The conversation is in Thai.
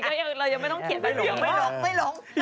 ตุ๊กแม่เราไม่ต้องเขียนไปหลง